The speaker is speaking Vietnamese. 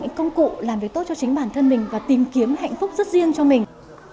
những công cụ làm việc tốt cho chính bản thân mình và tìm kiếm hạnh phúc rất riêng cho mình